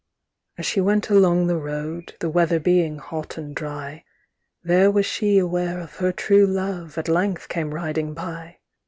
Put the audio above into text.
VIIAs she went along the road, The weather being hot and dry, There was she aware of her true love, At length came riding by.